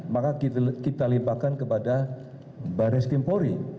maka kita limpahkan kepada baris kimpori